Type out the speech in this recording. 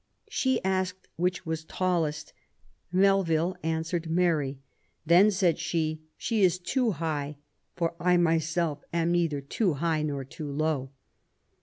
She asked which was tallest. Melville answered Mary. "Then," said she, "she is too high, for I myself am neither too high nor too low."